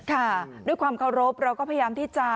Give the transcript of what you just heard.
ค่ะด้วยความเคารพเราก็พยายามที่จะ